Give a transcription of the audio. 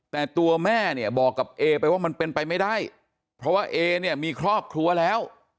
แต่ตัวแม่เนี่ยบอกกับเอไปว่ามันเป็นไปไม่ได้เพราะว่าเอเนี่ยมีครอบครัวแล้ว